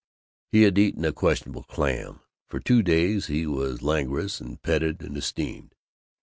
He had eaten a questionable clam. For two days he was languorous and petted and esteemed.